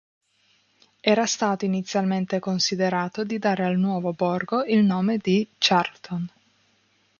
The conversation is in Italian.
Era stato inizialmente considerato di dare al nuovo borgo il nome di "Charlton".